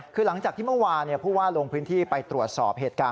คือหลังจากที่เมื่อวานผู้ว่าลงพื้นที่ไปตรวจสอบเหตุการณ์